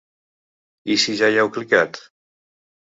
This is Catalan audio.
I si ja hi heu clicat?